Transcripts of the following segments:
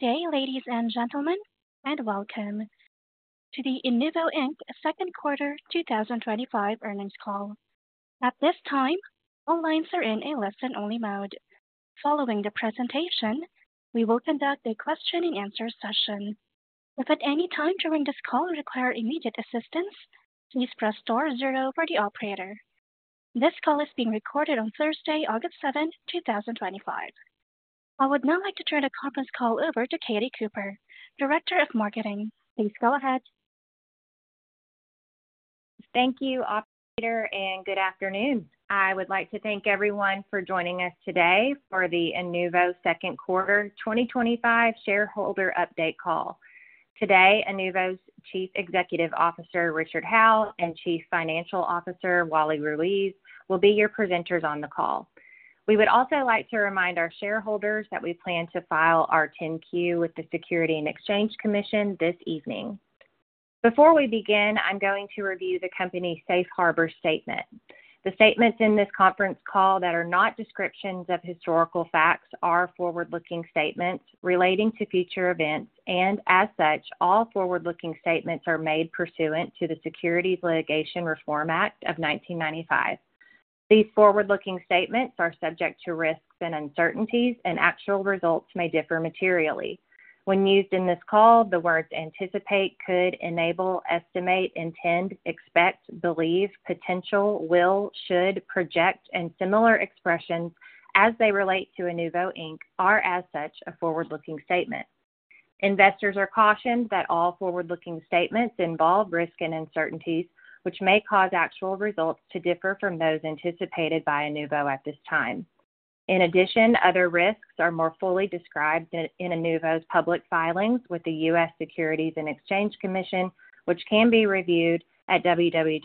Good day, ladies and gentlemen, and welcome to the Inuvo, Inc. Second Quarter 2025 Earnings Call. At this time, all lines are in a listen-only mode. Following the presentation, we will conduct a question-and-answer session. If at any time during this call you require immediate assistance, please press star zero for the operator. This call is being recorded on Thursday, August 7th, 2025. I would now like to turn the conference call over to Katie Cooper, Director of Marketing. Please go ahead. Thank you, operator, and good afternoon. I would like to thank everyone for joining us today for the Inuvo Second Quarter 2025 Shareholder Update Call. Today, Inuvo's Chief Executive Officer Richard Howe and Chief Financial Officer Wally Ruiz will be your presenters on the call. We would also like to remind our shareholders that we plan to file our 10-Q with the U.S. Securities and Exchange Commission this evening. Before we begin, I'm going to review the company's safe harbor statement. The statements in this conference call that are not descriptions of historical facts are forward-looking statements relating to future events, and as such, all forward-looking statements are made pursuant to the Securities Litigation Reform Act of 1995. These forward-looking statements are subject to risks and uncertainties, and actual results may differ materially. When used in this call, the words anticipate, could, enable, estimate, intend, expect, believe, potential, will, should, project, and similar expressions as they relate to Inuvo, Inc. are as such a forward-looking statement. Investors are cautioned that all forward-looking statements involve risk and uncertainties, which may cause actual results to differ from those anticipated by Inuvo at this time. In addition, other risks are more fully described in Inuvo's public filings with the U.S. Securities and Exchange Commission, which can be reviewed at www.sec.gov.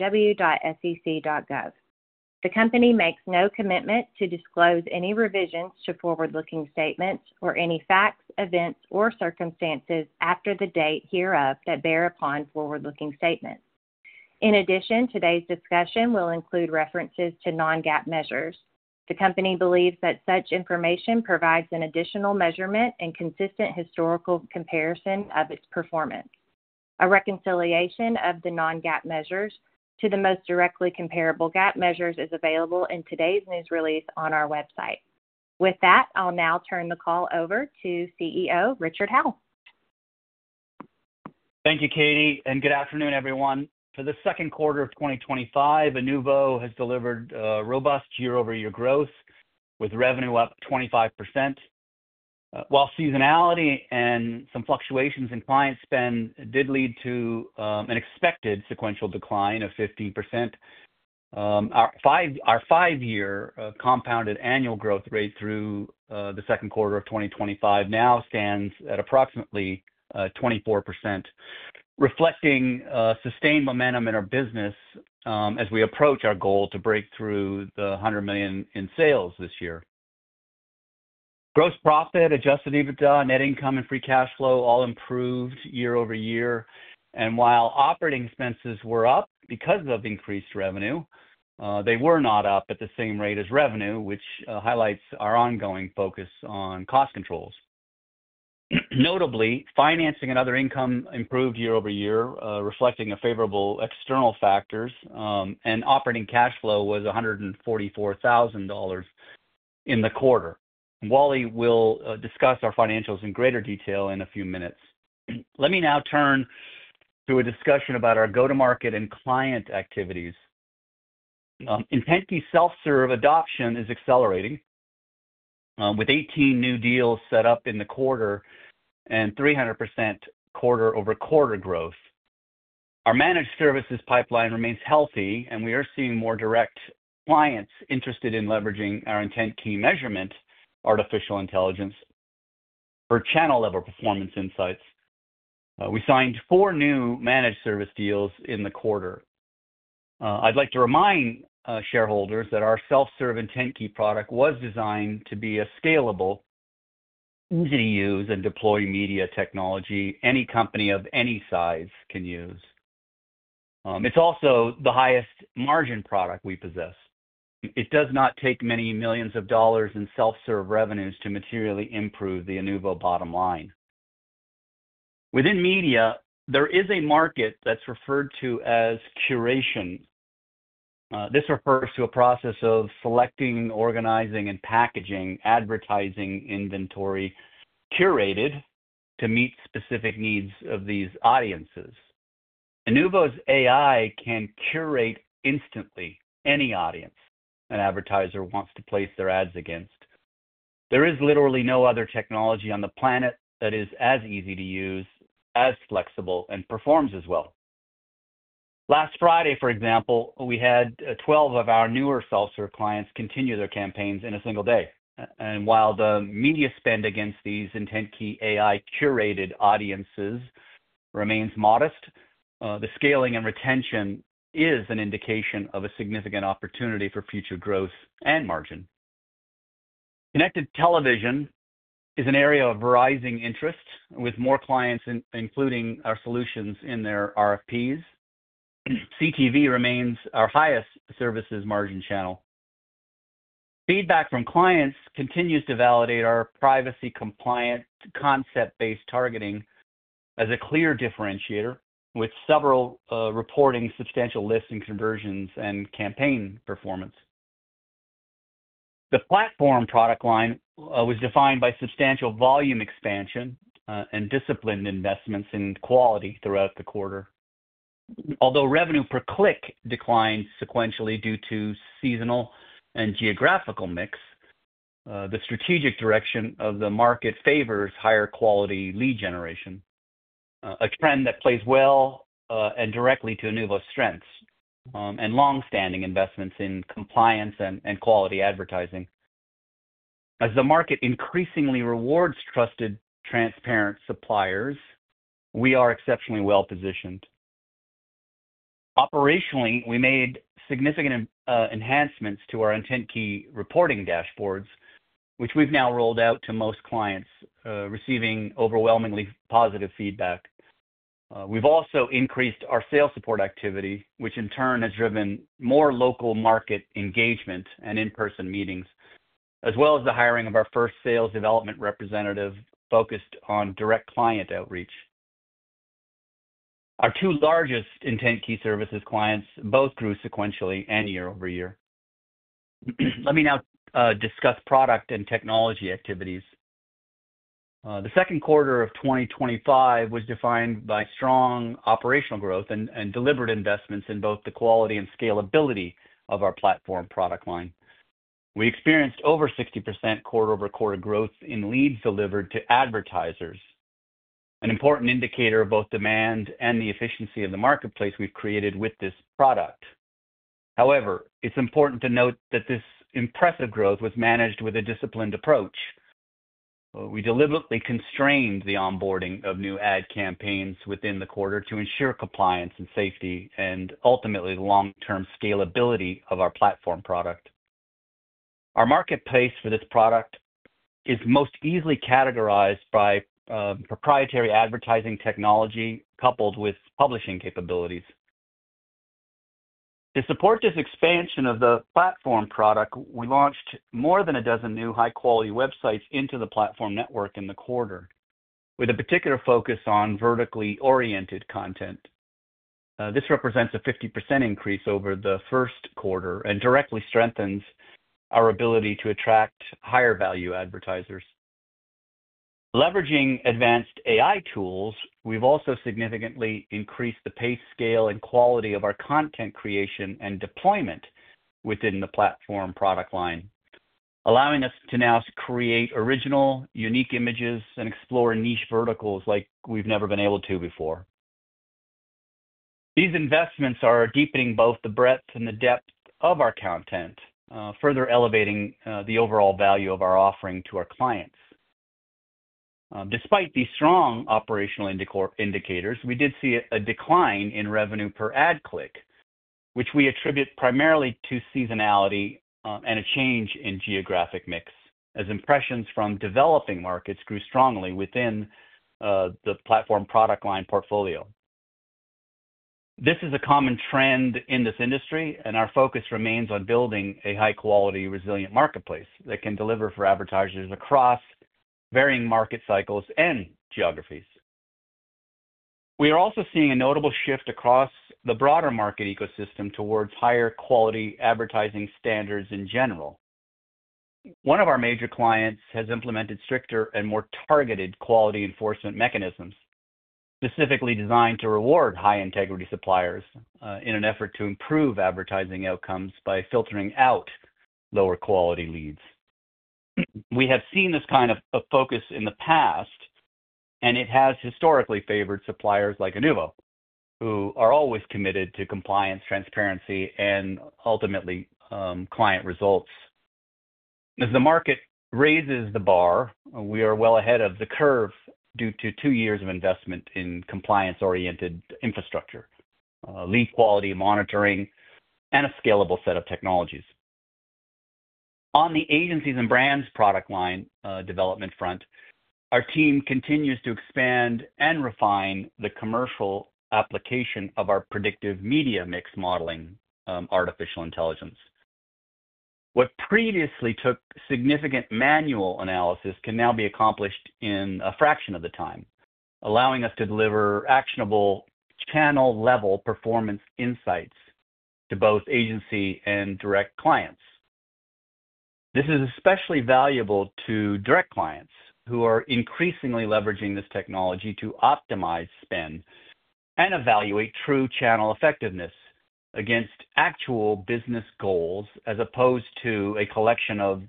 The company makes no commitment to disclose any revisions to forward-looking statements or any facts, events, or circumstances after the date hereof that bear upon forward-looking statements. In addition, today's discussion will include references to non-GAAP measures. The company believes that such information provides an additional measurement and consistent historical comparison of its performance. A reconciliation of the non-GAAP measures to the most directly comparable GAAP measures is available in today's news release on our website. With that, I'll now turn the call over to CEO Richard Howe. Thank you, Katie, and good afternoon, everyone. For the second quarter of 2025, Inuvo has delivered robust year-over-year growth with revenue up 25%. While seasonality and some fluctuations in client spend did lead to an expected sequential decline of 15%, our five-year compounded annual growth rate through the second quarter of 2025 now stands at approximately 24%, reflecting sustained momentum in our business as we approach our goal to break through the $100 million in sales this year. Gross profit, adjusted EBITDA, net income, and free cash flow all improved year over year. While operating expenses were up because of increased revenue, they were not up at the same rate as revenue, which highlights our ongoing focus on cost controls. Notably, financing and other income improved year over year, reflecting a favorable external factor, and operating cash flow was $144,000 in the quarter. Wally will discuss our financials in greater detail in a few minutes. Let me now turn to a discussion about our go-to-market and client activities. In platform clients, self-serve adoption is accelerating with 18 new deals set up in the quarter and 300% quarter-over-quarter growth. Our managed service deals pipeline remains healthy, and we are seeing more direct clients interested in leveraging our IntentKey measurement, artificial intelligence, for channel-level performance insights. We signed four new managed service deals in the quarter. I'd like to remind shareholders that our self-serve IntentKey product was designed to be a scalable, easy-to-use, and deploy media technology any company of any size can use. It's also the highest margin product we possess. It does not take many millions of dollars in self-serve revenues to materially improve the Inuvo bottom line. Within media, there is a market that's referred to as curation. This refers to a process of selecting, organizing, and packaging advertising inventory curated to meet specific needs of these audiences. Inuvo's AI can curate instantly any audience an advertiser wants to place their ads against. There is literally no other technology on the planet that is as easy to use, as flexible, and performs as well. Last Friday, for example, we had 12 of our newer self-serve clients continue their campaigns in a single day. While the media spend against these IntentKey AI-curated audiences remains modest, the scaling and retention is an indication of a significant opportunity for future growth and margin. Connected television is an area of rising interest, with more clients including our solutions in their RFPs. CTV remains our highest services margin channel. Feedback from clients continues to validate our privacy-compliant concept-based targeting as a clear differentiator, with several reporting substantial lifts in conversions and campaign performance. The platform product line was defined by substantial volume expansion and disciplined investments in quality throughout the quarter. Although revenue per click declined sequentially due to seasonal and geographical mix, the strategic direction of the market favors higher quality lead generation, a trend that plays well and directly to Inuvo's strengths and longstanding investments in compliance and quality advertising. As the market increasingly rewards trusted, transparent suppliers, we are exceptionally well positioned. Operationally, we made significant enhancements to our IntentKey reporting dashboards, which we've now rolled out to most clients, receiving overwhelmingly positive feedback. We've also increased our sales support activity, which in turn has driven more local market engagement and in-person meetings, as well as the hiring of our first sales development representative focused on direct client outreach. Our two largest IntentKey services clients both grew sequentially and year-over-year. Let me now discuss product and technology activities. The second quarter of 2025 was defined by strong operational growth and deliberate investments in both the quality and scalability of our platform product line. We experienced over 60% quarter-over-quarter growth in leads delivered to advertisers, an important indicator of both demand and the efficiency of the marketplace we've created with this product. However, it's important to note that this impressive growth was managed with a disciplined approach. We deliberately constrained the onboarding of new ad campaigns within the quarter to ensure compliance and safety and ultimately the long-term scalability of our platform product. Our marketplace for this product is most easily categorized by proprietary advertising technology coupled with publishing capabilities. To support this expansion of the platform product, we launched more than a dozen new high-quality websites into the platform network in the quarter, with a particular focus on vertically oriented content. This represents a 50% increase over the first quarter and directly strengthens our ability to attract higher-value advertisers. Leveraging advanced AI tools, we've also significantly increased the pace, scale, and quality of our content creation and deployment within the platform product line, allowing us to now create original, unique images and explore niche verticals like we've never been able to before. These investments are deepening both the breadth and the depth of our content, further elevating the overall value of our offering to our clients. Despite these strong operational indicators, we did see a decline in revenue per ad click, which we attribute primarily to seasonality and a change in geographic mix, as impressions from developing markets grew strongly within the platform product line portfolio. This is a common trend in this industry, and our focus remains on building a high-quality, resilient marketplace that can deliver for advertisers across varying market cycles and geographies. We are also seeing a notable shift across the broader market ecosystem towards higher quality advertising standards in general. One of our major clients has implemented stricter and more targeted quality enforcement mechanisms, specifically designed to reward high integrity suppliers in an effort to improve advertising outcomes by filtering out lower quality leads. We have seen this kind of focus in the past, and it has historically favored suppliers like Inuvo, who are always committed to compliance, transparency, and ultimately client results. As the market raises the bar, we are well ahead of the curve due to two years of investment in compliance-oriented infrastructure, lean quality monitoring, and a scalable set of technologies. On the agencies and brands product line development front, our team continues to expand and refine the commercial application of our predictive media mix modeling artificial intelligence. What previously took significant manual analysis can now be accomplished in a fraction of the time, allowing us to deliver actionable channel-level performance insights to both agency and direct clients. This is especially valuable to direct clients who are increasingly leveraging this technology to optimize spend and evaluate true channel effectiveness against actual business goals, as opposed to a collection of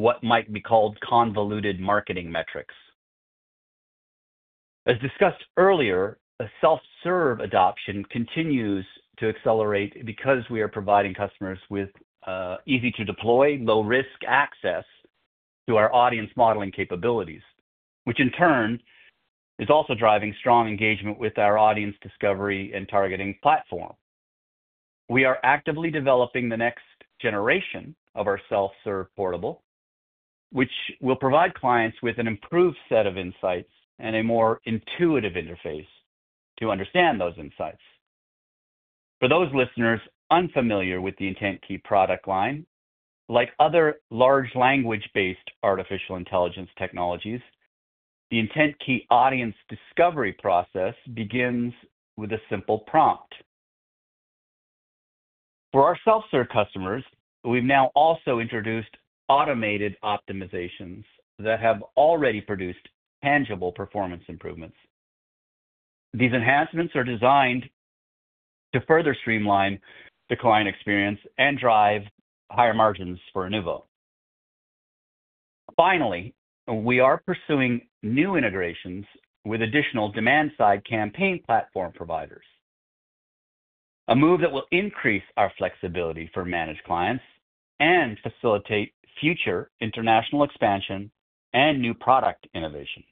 what might be called convoluted marketing metrics. As discussed earlier, self-serve adoption continues to accelerate because we are providing customers with easy-to-deploy, low-risk access to our audience modeling capabilities, which in turn is also driving strong engagement with our audience discovery and targeting platform. We are actively developing the next generation of our self-serve portal, which will provide clients with an improved set of insights and a more intuitive interface to understand those insights. For those listeners unfamiliar with the IntentKey product line, like other large language-based artificial intelligence technologies, the IntentKey audience discovery process begins with a simple prompt. For our self-serve customers, we've now also introduced automated optimizations that have already produced tangible performance improvements. These enhancements are designed to further streamline the client experience and drive higher margins for Inuvo. Finally, we are pursuing new integrations with additional demand-side platform providers, a move that will increase our flexibility for managed clients and facilitate future international expansion and new product innovation.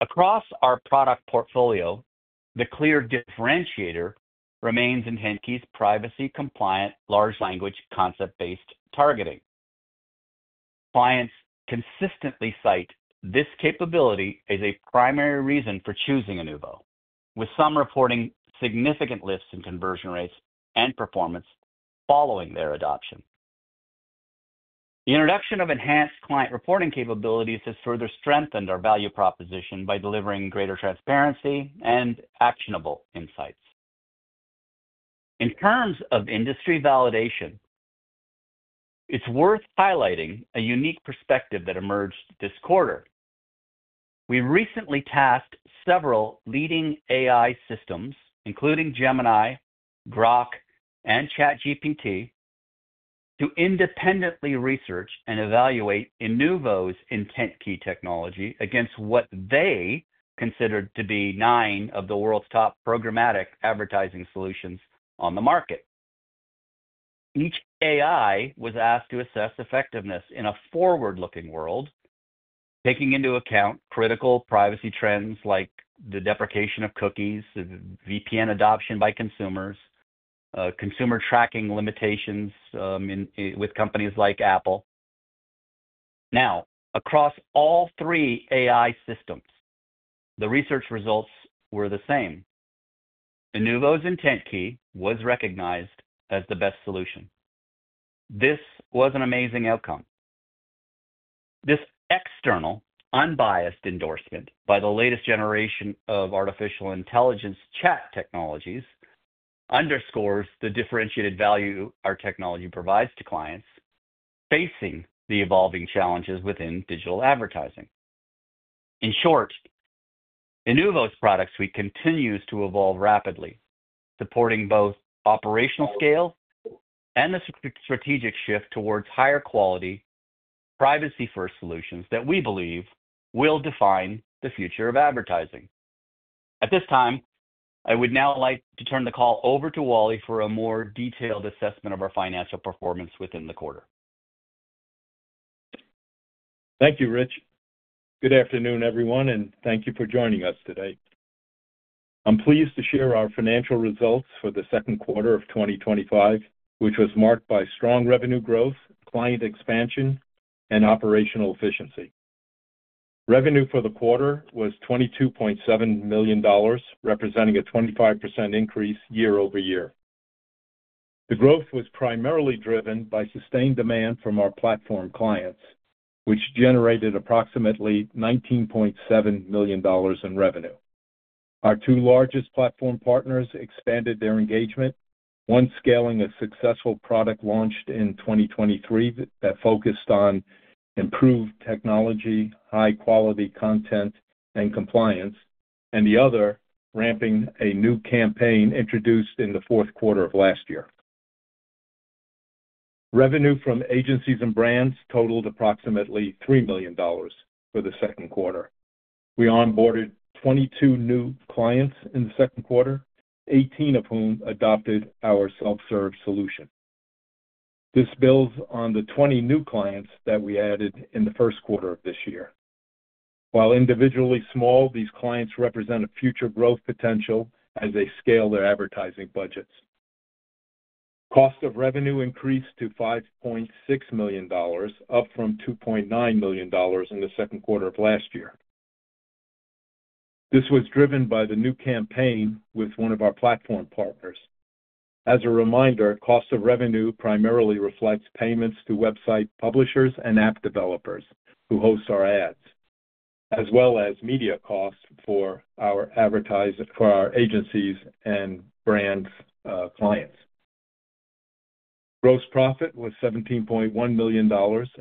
Across our product portfolio, the clear differentiator remains IntentKey's privacy-compliant large language concept-based targeting. Clients consistently cite this capability as a primary reason for choosing Inuvo, with some reporting significant lifts in conversion rates and performance following their adoption. The introduction of enhanced client reporting capabilities has further strengthened our value proposition by delivering greater transparency and actionable insights. In terms of industry validation, it's worth highlighting a unique perspective that emerged this quarter. We recently tasked several leading AI systems, including Gemini, Grok, and ChatGPT, to independently research and evaluate Inuvo's IntentKey technology against what they considered to be nine of the world's top programmatic advertising solutions on the market. Each AI was asked to assess effectiveness in a forward-looking world, taking into account critical privacy trends like the deprecation of cookies, VPN adoption by consumers, consumer tracking limitations with companies like Apple. Now, across all three AI systems, the research results were the same. Inuvo's IntentKey was recognized as the best solution. This was an amazing outcome. This external, unbiased endorsement by the latest generation of artificial intelligence chat technologies underscores the differentiated value our technology provides to clients facing the evolving challenges within digital advertising. In short, Inuvo's product suite continues to evolve rapidly, supporting both operational scale and the strategic shift towards higher quality, privacy-first solutions that we believe will define the future of advertising. At this time, I would now like to turn the call over to Wally for a more detailed assessment of our financial performance within the quarter. Thank you, Rich. Good afternoon, everyone, and thank you for joining us today. I'm pleased to share our financial results for the second quarter of 2025, which was marked by strong revenue growth, client expansion, and operational efficiency. Revenue for the quarter was $22.7 million, representing a 25% increase year-over-year. The growth was primarily driven by sustained demand from our platform clients, which generated approximately $19.7 million in revenue. Our two largest platform partners expanded their engagement, one scaling a successful product launch in 2023 that focused on improved technology, high-quality content, and compliance, and the other ramping a new campaign introduced in the fourth quarter of last year. Revenue from agencies and brands totaled approximately $3 million for the second quarter. We onboarded 22 new clients in the second quarter, 18 of whom adopted our self-serve solution. This builds on the 20 new clients that we added in the first quarter of this year. While individually small, these clients represent a future growth potential as they scale their advertising budgets. Cost of revenue increased to $5.6 million, up from $2.9 million in the second quarter of last year. This was driven by the new campaign with one of our platform partners. As a reminder, cost of revenue primarily reflects payments to website publishers and app developers who host our ads, as well as media costs for our advertisers for our agencies and brands' clients. Gross profit was $17.1 million,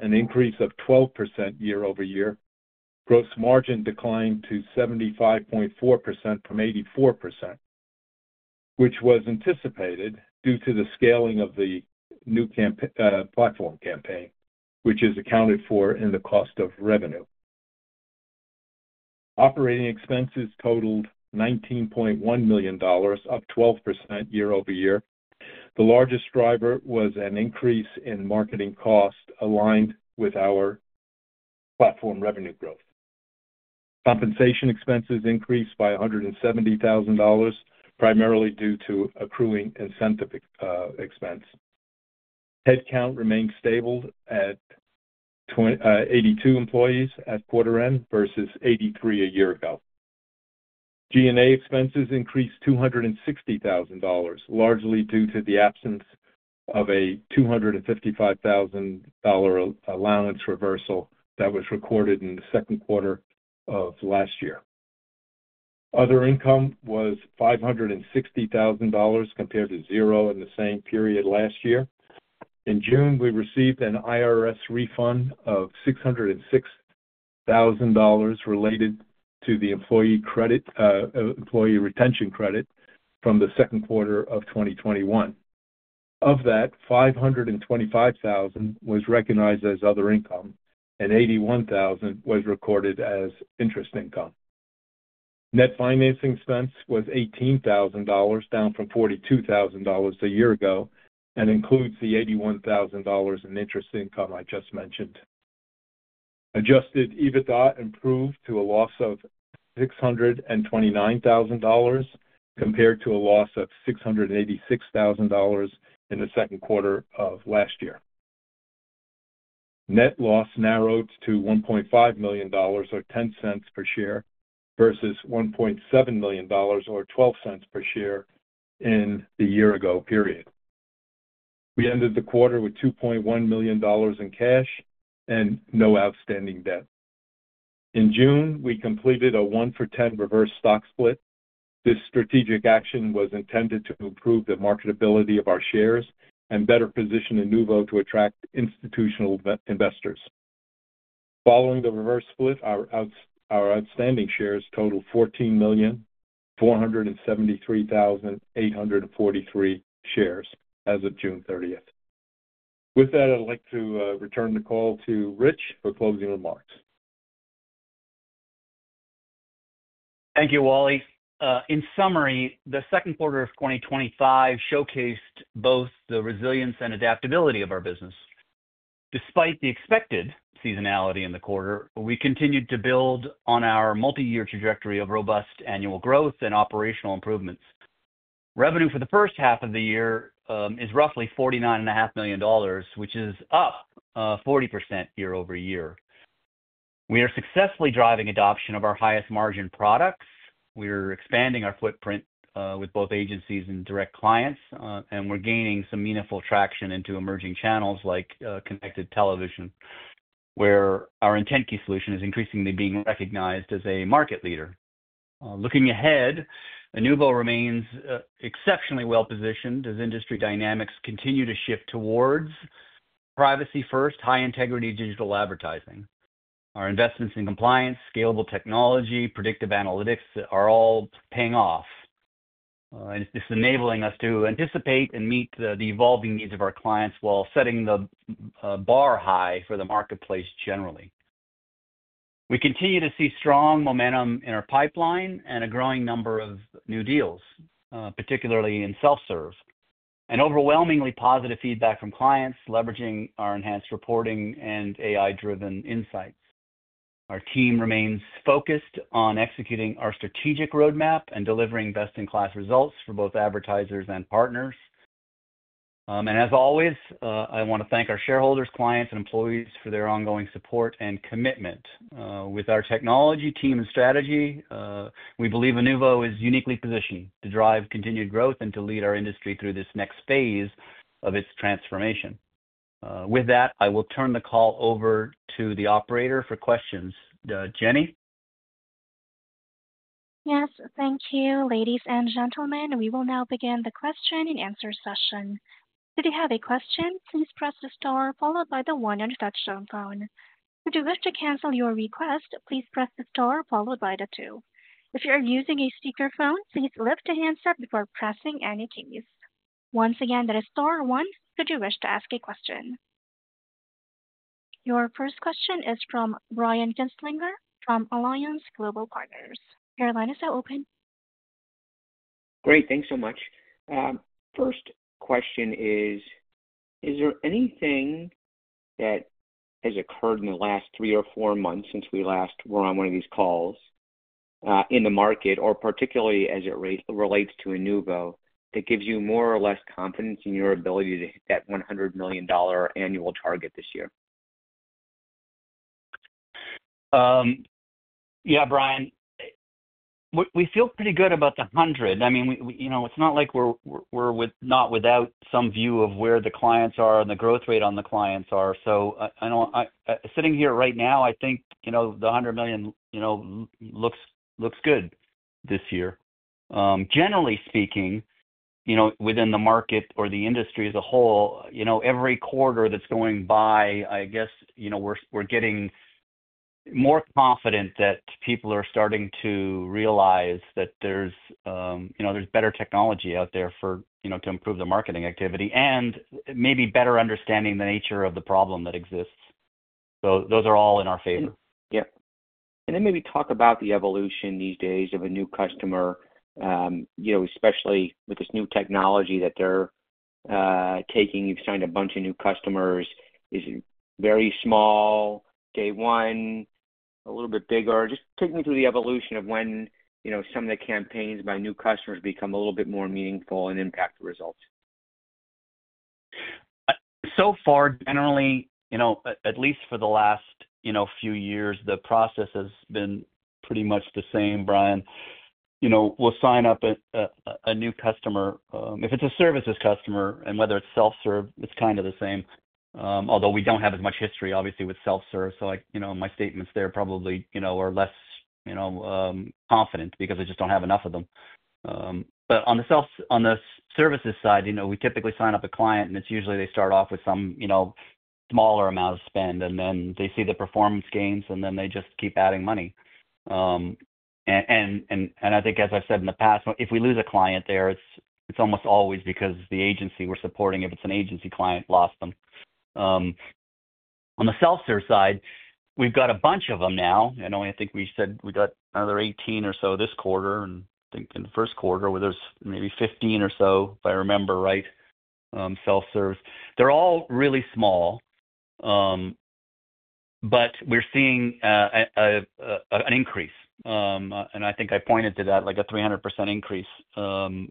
an increase of 12% year-over-year. Gross margin declined to 75.4% from 84%, which was anticipated due to the scaling of the new platform campaign, which is accounted for in the cost of revenue. Operating expenses totaled $19.1 million, up 12% year-over-year. The largest driver was an increase in marketing cost aligned with our platform revenue growth. Compensation expenses increased by $170,000, primarily due to accruing incentive expense. Headcount remained stable at 82 employees at quarter end versus 83 a year ago. G&A expenses increased $260,000, largely due to the absence of a $255,000 allowance reversal that was recorded in the second quarter of last year. Other income was $560,000 compared to zero in the same period last year. In June, we received an IRS refund of $606,000 related to the employee retention credit from the second quarter of 2021. Of that, $525,000 was recognized as other income, and $81,000 was recorded as interest income. Net financing expense was $18,000, down from $42,000 a year ago, and includes the $81,000 in interest income I just mentioned. Adjusted EBITDA improved to a loss of $629,000 compared to a loss of $686,000 in the second quarter of last year. Net loss narrowed to $1.5 million, or $0.10 per share, versus $1.7 million, or $0.12 per share in the year-ago period. We ended the quarter with $2.1 million in cash and no outstanding debt. In June, we completed a [one-for-ten] reverse stock split. This strategic action was intended to improve the marketability of our shares and better position Inuvo to attract institutional investors. Following the reverse split, our outstanding shares totaled 14,473,843 shares as of June 30th. With that, I'd like to return the call to Rich for closing remarks. Thank you, Wally. In summary, the second quarter of 2025 showcased both the resilience and adaptability of our business. Despite the expected seasonality in the quarter, we continued to build on our multi-year trajectory of robust annual growth and operational improvements. Revenue for the first half of the year is roughly $49.5 million, which is up 40% year-over-year. We are successfully driving adoption of our highest margin products. We're expanding our footprint with both agencies and direct clients, and we're gaining some meaningful traction into emerging channels like connected television, where our IntentKey solution is increasingly being recognized as a market leader. Looking ahead, Inuvo remains exceptionally well positioned as industry dynamics continue to shift towards privacy-first, high-integrity digital advertising. Our investments in compliance, scalable technology, and predictive analytics are all paying off. It's enabling us to anticipate and meet the evolving needs of our clients while setting the bar high for the marketplace generally. We continue to see strong momentum in our pipeline and a growing number of new deals, particularly in self-serve, and overwhelmingly positive feedback from clients leveraging our enhanced reporting and AI-driven insights. Our team remains focused on executing our strategic roadmap and delivering best-in-class results for both advertisers and partners. I want to thank our shareholders, clients, and employees for their ongoing support and commitment. With our technology, team, and strategy, we believe Inuvo is uniquely positioned to drive continued growth and to lead our industry through this next phase of its transformation. With that, I will turn the call over to the operator for questions. Jenny. Yes, thank you, ladies and gentlemen. We will now begin the question-and-answer session. If you have a question, please press the star followed by the one on the touch-tone phone. If you wish to cancel your request, please press the star followed by the two. If you're using a speakerphone, please lift your handset before pressing any keys. Once again, there is star one if you wish to ask a question. Your first question is from Brian Kintslinger from Alliance Global Partners. Your line is now open. Great. Thanks so much. First question is, is there anything that has occurred in the last three or four months since we last were on one of these calls in the market, or particularly as it relates to Inuvo, that gives you more or less confidence in your ability to hit that $100 million annual target this year? Yeah, Brian, we feel pretty good about the $100 million. I mean, it's not like we're not without some view of where the clients are and the growth rate on the clients are. I know sitting here right now, I think the $100 million looks good this year. Generally speaking, within the market or the industry as a whole, every quarter that's going by, we're getting more confident that people are starting to realize that there's better technology out there to improve the marketing activity and maybe better understanding the nature of the problem that exists. Those are all in our favor. Yeah. Maybe talk about the evolution these days of a new customer, you know, especially with this new technology that they're taking. You've signed a bunch of new customers. Is it very small day one, a little bit bigger? Just take me through the evolution of when, you know, some of the campaigns by new customers become a little bit more meaningful and impact the results. So far, generally, at least for the last few years, the process has been pretty much the same, Brian. We'll sign up a new customer. If it's a services customer and whether it's self-serve, it's kind of the same. Although we don't have as much history, obviously, with self-serve. My statements there probably are less confident because I just don't have enough of them. On the services side, we typically sign up a client and it's usually they start off with some smaller amount of spend and then they see the performance gains and then they just keep adding money. As I've said in the past, if we lose a client there, it's almost always because the agency we're supporting, if it's an agency client, lost them. On the self-serve side, we've got a bunch of them now. I think we said we got another 18 or so this quarter and I think in the first quarter there was maybe 15 or so, if I remember right, self-serve. They're all really small. We're seeing an increase. I think I pointed to that, like a 300% increase. We're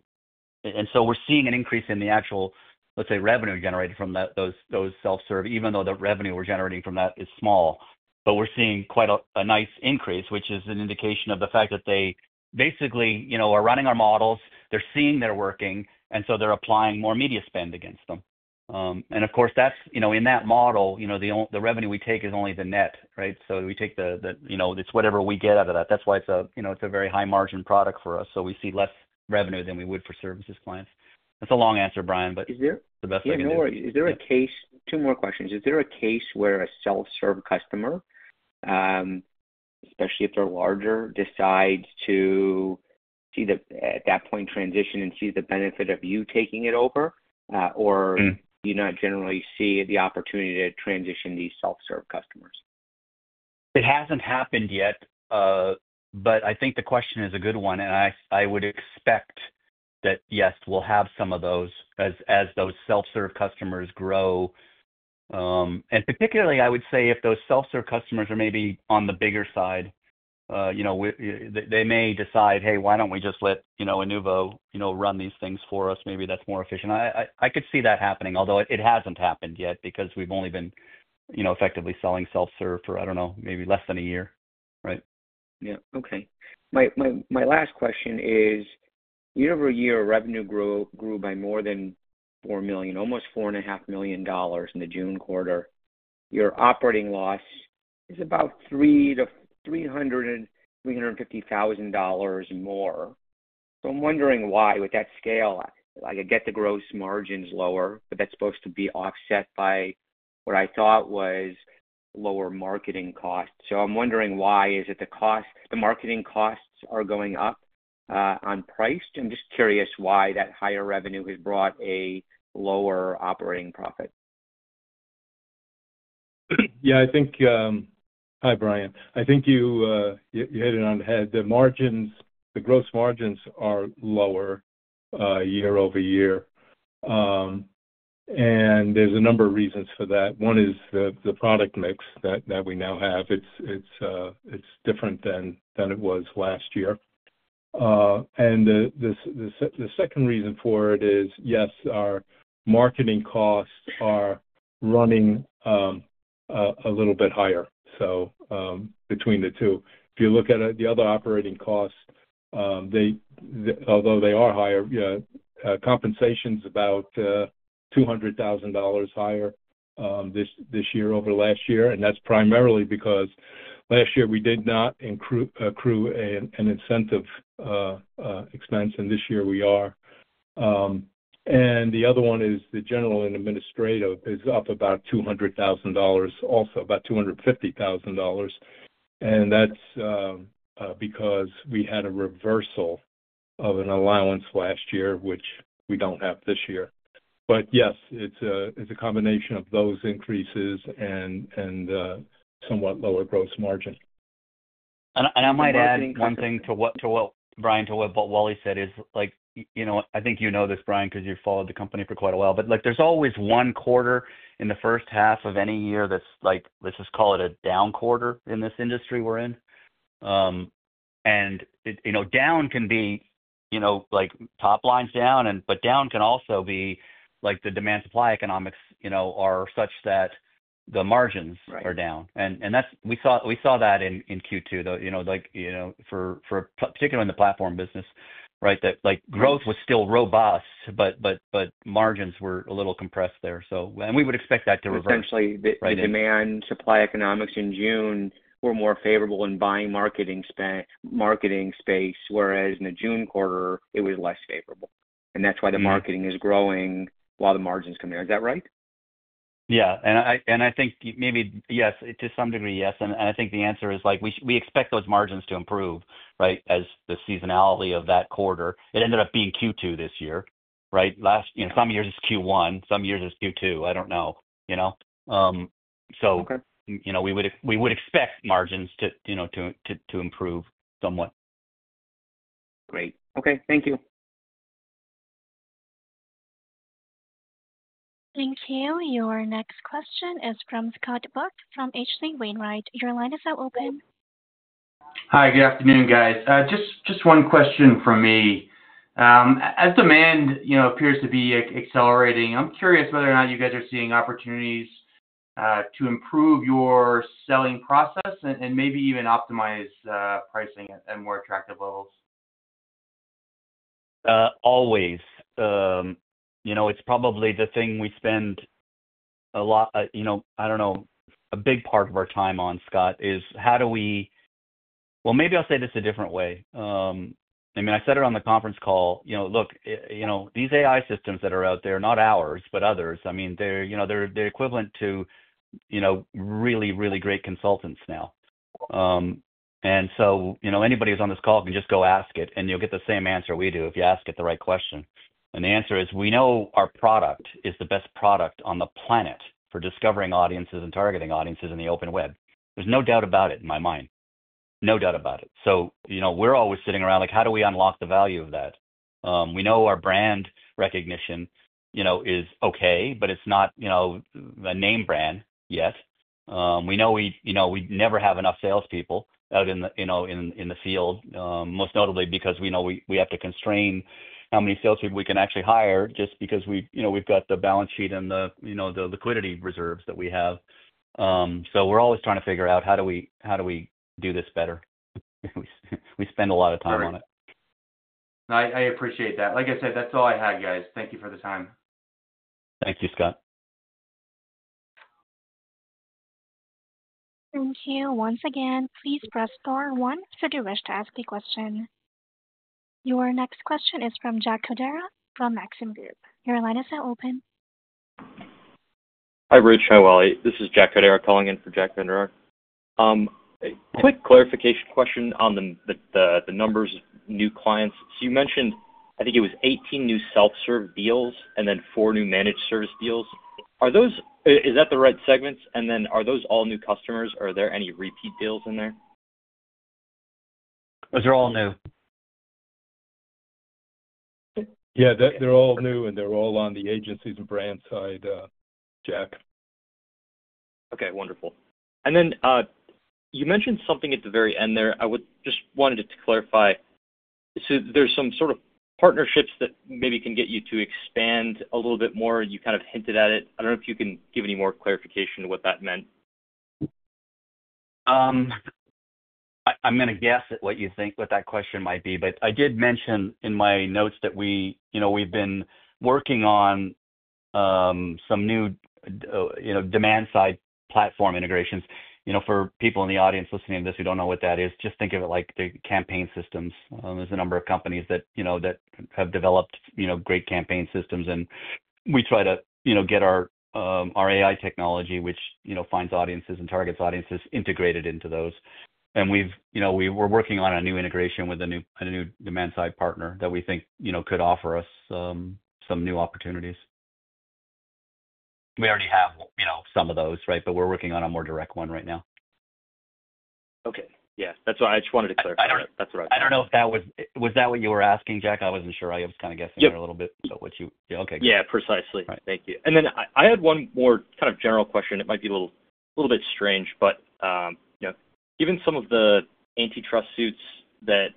seeing an increase in the actual, let's say, revenue generated from those self-serve, even though the revenue we're generating from that is small. We're seeing quite a nice increase, which is an indication of the fact that they basically are running our models. They're seeing they're working. They're applying more media spend against them. Of course, in that model, the revenue we take is only the net, right? We take the, it's whatever we get out of that. That's why it's a very high margin product for us. We see less revenue than we would for services clients. That's a long answer, Brian, but the best way to do it. Is there a case, two more questions, is there a case where a self-serve customer, especially if they're larger, decides to see that at that point transition and sees the benefit of you taking it over? Do you not generally see the opportunity to transition these self-serve customers? It hasn't happened yet. I think the question is a good one. I would expect that, yes, we'll have some of those as those self-serve customers grow. Particularly, I would say if those self-serve customers are maybe on the bigger side, they may decide, hey, why don't we just let Inuvo run these things for us? Maybe that's more efficient. I could see that happening, although it hasn't happened yet because we've only been effectively selling self-serve for, I don't know, maybe less than a year. Right. Okay. My last question is, year-over-year, revenue grew by more than $4 million, almost $4.5 million in the June quarter. Your operating loss is about $300,000-$350,000 more. I'm wondering why, with that scale, I get the gross margins lower, but that's supposed to be offset by what I thought was lower marketing costs. I'm wondering why the marketing costs are going up on price. I'm just curious why that higher revenue has brought a lower operating profit. Yeah, I think, hi Brian, I think you hit it on the head. The gross margins are lower year over year, and there's a number of reasons for that. One is the product mix that we now have. It's different than it was last year. The second reason for it is, yes, our marketing costs are running a little bit higher. Between the two, if you look at the other operating costs, although they are higher, compensation is about $200,000 higher this year over last year. That's primarily because last year we did not accrue an incentive expense, and this year we are. The other one is the general and administrative is up about $200,000, also about $250,000. That's because we had a reversal of an allowance last year, which we don't have this year. Yes, it's a combination of those increases and a somewhat lower gross margin. I might add one thing to what Brian told me, but what Wally said is, you know, I think you know this, Brian, because you've followed the company for quite a while, but there's always one quarter in the first half of any year that's, let's just call it a down quarter in this industry we're in. Down can be, you know, like top line's down, but down can also be like the demand-supply economics are such that the margins are down. We saw that in Q2, though, you know, particularly in the platform business, right, that growth was still robust, but margins were a little compressed there. We would expect that to reverse. Essentially, the demand-supply economics in June were more favorable in buying marketing space, whereas in the June quarter, it was less favorable. That's why the marketing is growing while the margins come down. Is that right? I think maybe, yes, to some degree, yes. I think the answer is we expect those margins to improve as the seasonality of that quarter. It ended up being Q2 this year. Last, you know, some years it's Q1, some years it's Q2. I don't know. We would expect margins to improve somewhat. Great. Okay. Thank you. Thank you. Your next question is from Scott Buck from H.C. Wainwright. Your line is now open. Hi, good afternoon, guys. Just one question from me. As demand, you know, appears to be accelerating, I'm curious whether or not you guys are seeing opportunities to improve your selling process and maybe even optimize pricing at more attractive levels. It's probably the thing we spend a lot, I don't know, a big part of our time on, Scott, is how do we, maybe I'll say this a different way. I said it on the conference call, look, these AI systems that are out there, not ours, but others, they're equivalent to really, really great consultants now. Anybody who's on this call can just go ask it, and you'll get the same answer we do if you ask it the right question. The answer is we know our product is the best product on the planet for discovering audiences and targeting audiences in the open web. There's no doubt about it in my mind. No doubt about it. We're always sitting around like, how do we unlock the value of that? We know our brand recognition is okay, but it's not a name brand yet. We know we never have enough salespeople out in the field, most notably because we know we have to constrain how many salespeople we can actually hire just because we've got the balance sheet and the liquidity reserves that we have. We're always trying to figure out how do we do this better. We spend a lot of time on it. I appreciate that. Like I said, that's all I had, guys. Thank you for the time. Thank you, Scott. Thank you. Once again, please press star one if you wish to ask a question. Your next question is from Jack Codera from Maxim Group. Your line is now open. Hi, Rich. Hi, Wally. This is Jack Codera calling in for Jack Vander Aarde. Quick clarification question on the numbers of new clients. You mentioned, I think it was 18 new self-serve deals and then four new managed service deals. Are those the right segments? Are those all new customers? Are there any repeat deals in there? Those are all new. Yeah, they're all new, and they're all on the agencies and brand side, Jack. Okay, wonderful. You mentioned something at the very end there. I just wanted to clarify. There's some sort of partnerships that maybe can get you to expand a little bit more, and you kind of hinted at it. I don't know if you can give any more clarification to what that meant. I'm going to guess at what you think that question might be, but I did mention in my notes that we've been working on some new demand-side platform integrations. For people in the audience listening to this who don't know what that is, just think of it like the campaign systems. There's a number of companies that have developed great campaign systems. We try to get our AI technology, which finds audiences and targets audiences, integrated into those. We've been working on a new integration with a new demand-side partner that we think could offer us some new opportunities. We already have some of those, right? We're working on a more direct one right now. Okay, yeah, that's why I just wanted to clarify. I don't know if that was what you were asking, Jack. I wasn't sure. I was kind of guessing there a little bit, but what you, yeah, okay. Yeah, precisely. Thank you. I had one more kind of general question. It might be a little bit strange, but given some of the antitrust suits that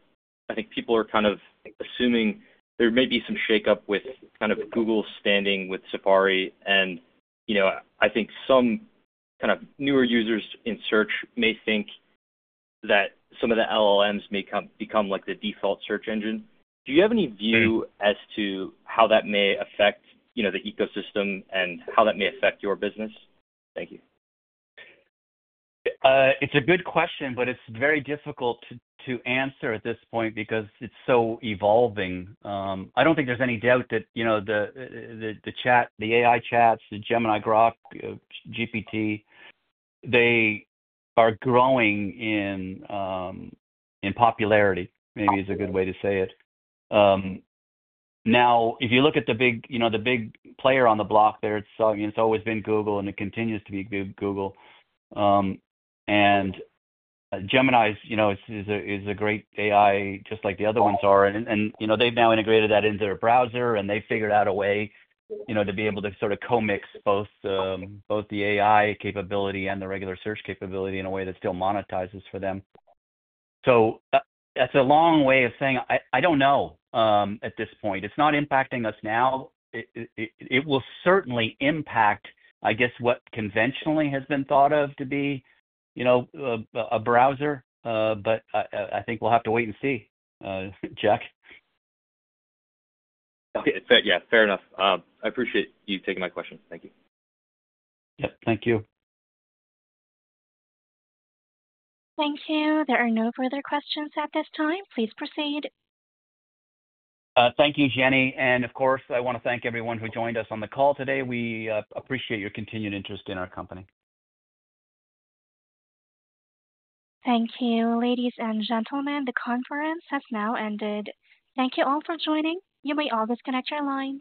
I think people are kind of assuming, there may be some shakeup with kind of Google standing with Safari. I think some kind of newer users in search may think that some of the LLMs may become like the default search engine. Do you have any view as to how that may affect the ecosystem and how that may affect your business? Thank you. It's a good question, but it's very difficult to answer at this point because it's so evolving. I don't think there's any doubt that the chat, the AI chats, the Gemini, Grok, GPT, they are growing in popularity, maybe is a good way to say it. If you look at the big player on the block there, it's always been Google, and it continues to be Google. Gemini is a great AI, just like the other ones are. They've now integrated that into their browser, and they figured out a way to be able to sort of co-mix both the AI capability and the regular search capability in a way that still monetizes for them. That's a long way of saying I don't know at this point. It's not impacting us now. It will certainly impact, I guess, what conventionally has been thought of to be a browser. I think we'll have to wait and see, Jack. Okay, yeah, fair enough. I appreciate you taking my question. Thank you. Thank you. Thank you. There are no further questions at this time. Please proceed. Thank you, Jenny. I want to thank everyone who joined us on the call today. We appreciate your continued interest in our company. Thank you, ladies and gentlemen. The conference has now ended. Thank you all for joining. You may all disconnect your line.